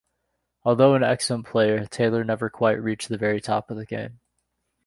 Although an excellent player, Taylor never quite reached the very top of the game.